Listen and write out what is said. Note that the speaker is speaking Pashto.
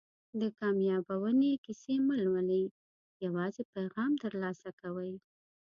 د کامیابیونې کیسې مه لولئ یوازې پیغام ترلاسه کوئ.